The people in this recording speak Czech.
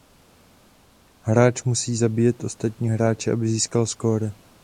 Hráč musí zabíjet ostatní hráče aby získal skóre.